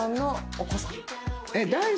お子さん。